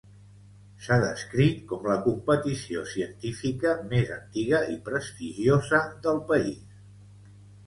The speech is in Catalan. S'ha descrit com la competició científica "més antiga i prestigiosa del país".